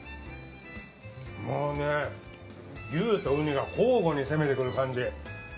もうね牛とウニが交互に攻めてくる感じ。